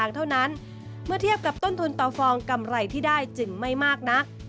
เท่านั้นเมื่อเทียบกับต้นทุนต่อฟองกำไรที่ได้จึงไม่มากนัก